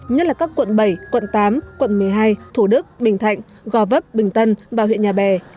nhất là các quận bảy quận tám quận một mươi hai thủ đức bình thạnh gò vấp bình tân và huyện nhà bè